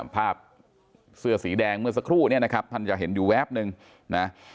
ภาพเสื้อสีแดงเมื่อสักครู่เนี่ยนะครับท่านจะเห็นอยู่แวบนึงนะ